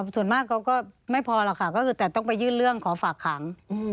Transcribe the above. ส่วนมากเขาก็ไม่พอหรอกค่ะก็คือแต่ต้องไปยื่นเรื่องขอฝากขัง